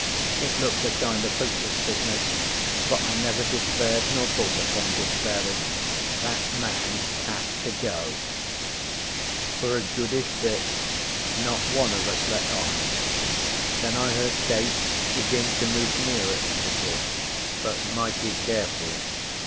It looked a kind of hopeless business. But I never despaired nor thought upon despairing: that man had got to go. For a goodish bit not one of us let on. Then I heard Case begin to move nearer in the bush, but mighty careful.